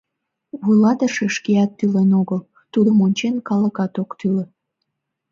Вуйлатыше шкеат тӱлен огыл, тудым ончен, калыкат ок тӱлӧ.